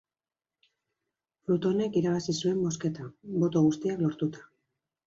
Plutonek irabazi zuen bozketa, boto guztiak lortuta.